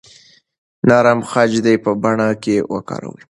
نرم خج دې په بڼه کې وکاروئ.